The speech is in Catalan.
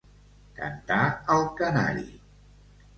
Cantar el canari.